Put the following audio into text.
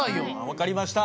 分かりました。